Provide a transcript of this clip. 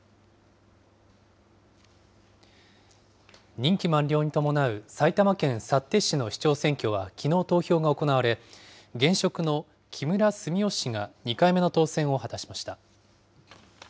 任期満了に伴う埼玉県幸手市の市長選挙は、きのう投票が行われ、現職の木村純夫氏が２回目の当選を果たしました。